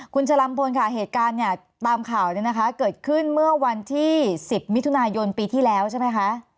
คุณชะลำพลค่ะเหตุการณ์เนี่ยตามข่าวเนี่ยนะคะเกิดขึ้นเมื่อวันที่๑๐มิถุนายนปีที่แล้วใช่ไหมคะ